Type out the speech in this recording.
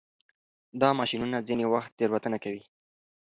دا ماشینونه ځینې وخت تېروتنه کوي.